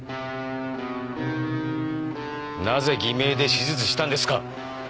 なぜ偽名で手術したんですか？